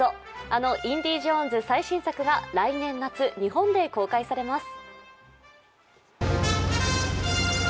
あの「インディ・ジョーンズ」最新作が来年夏、日本で公開されます。